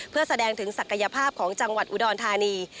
เพื่อแสดงถึงศักยภาพของจังหวัดอุดรธานี